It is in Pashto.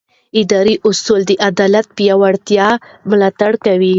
اداري اصول د عدالت د پیاوړتیا ملاتړ کوي.